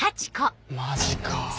マジか。